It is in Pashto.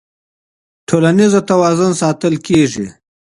ټولنيز توازن ساتل کيږي.